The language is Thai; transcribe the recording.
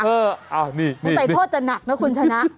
ตัวใจโต๊ะจะหนักนะคุณชนะ